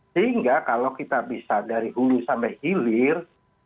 sehingga kalau kita bisa dari hulu sampai hilir